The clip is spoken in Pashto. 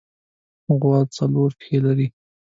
غوا څلور پښې لري.